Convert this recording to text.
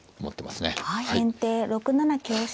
先手６七香車。